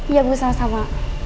iya bu sama sama